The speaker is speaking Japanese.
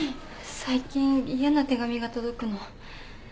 最近嫌な手紙が届くの。